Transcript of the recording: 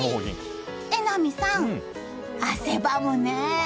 榎並さん、汗ばむね！